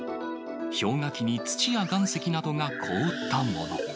氷河期に土や岩石などが凍ったもの。